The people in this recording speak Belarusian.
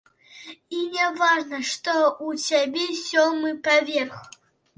І не важна, што ў цябе сёмы паверх.